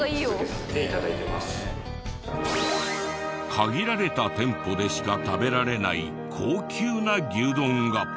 限られた店舗でしか食べられない高級な牛丼が！